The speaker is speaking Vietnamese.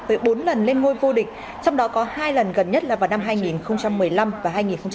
với bốn lần lên ngôi vô địch trong đó có hai lần gần nhất là vào năm hai nghìn một mươi năm và hai nghìn một mươi